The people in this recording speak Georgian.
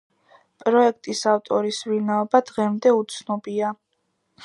პროექტის ავტორის ვინაობა დღემდე უცნობია.